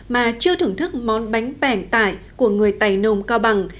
mà chưa thưởng thức món bánh bẻng tải của người tày nôm cao bằng